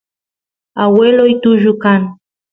agueloy tullu kan